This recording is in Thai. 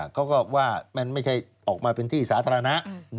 เขาก็ว่ามันไม่ใช่ออกมาเป็นที่สาธารณะ